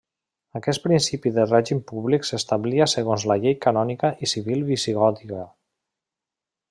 Aquest principi de règim públic s’establia segons la llei canònica i civil visigòtica.